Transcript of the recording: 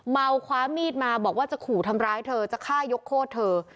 เมาคว้ามีดมาบอกว่าจะขู่ทำร้ายเธอจะฆ่ายกโคตรเธอ